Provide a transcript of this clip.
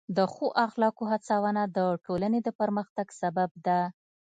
د ښو اخلاقو هڅونه د ټولنې د پرمختګ سبب ده.